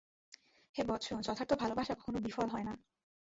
হে বৎস, যথার্থ ভালবাসা কখনও বিফল হয় না।